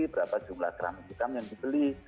berapa jumlah keramik hitam yang dibeli